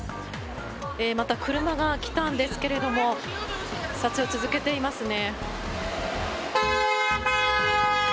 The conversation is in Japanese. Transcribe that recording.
また車が来たんですけれども撮影を続けていますね。